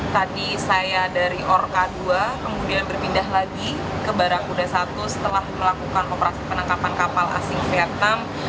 tadi saya dari orka dua kemudian berpindah lagi ke barakuda satu setelah melakukan operasi penangkapan kapal asing vietnam